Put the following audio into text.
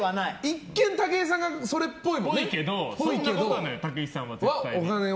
一見、武井さんがそれっぽいもんね。ぽいけど、そんなことない武井さんは絶対。